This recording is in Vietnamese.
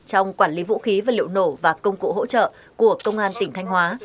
trong quản lý vũ khí vật liệu nổ và công cụ hỗ trợ của công an tỉnh thanh hóa